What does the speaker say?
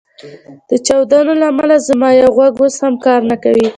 د چاودنو له امله زما یو غوږ اوس هم کار نه کوي